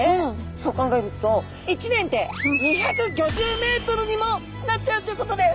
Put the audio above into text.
そう考えると１年で２５０ｍにもなっちゃうということです。